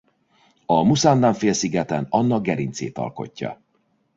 A Muszandam-félszigeten annak gerincét alkotja.